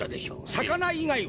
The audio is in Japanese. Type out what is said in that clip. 魚以外は？